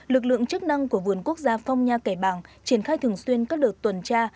lực lượng chức năng của vườn quốc gia phong nha kẻ bàng triển khai thường xuyên các đợt tuần tra